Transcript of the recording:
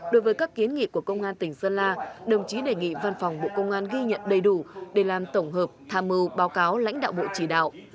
đối với các kiến nghị của công an tỉnh sơn la đồng chí đề nghị văn phòng bộ công an ghi nhận đầy đủ để làm tổng hợp tham mưu báo cáo lãnh đạo bộ chỉ đạo